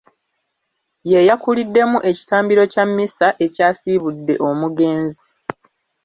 Ye yakuliddemu ekitambiro kya mmisa ekyasiibudde omugenzi